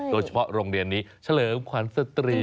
โดยเฉพาะโรงเรียนนี้เฉลิมขวัญสตรี